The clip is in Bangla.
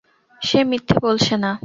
সে মিথ্যে বলছে না।